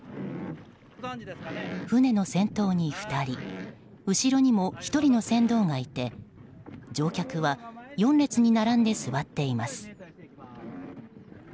船の先頭に２人後ろにも１人の船頭がいて乗客は４列に並んで座っています。